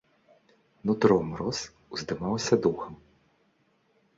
Нутром рос, уздымаўся духам.